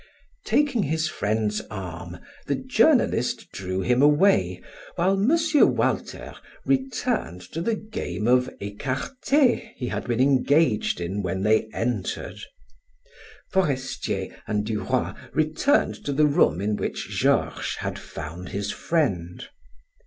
Taking his friend's arm, the journalist drew him away, while M. Walter returned to the game of ecarte he had been engaged in when they entered. Forestier and Duroy returned to the room in which Georges had found his friend.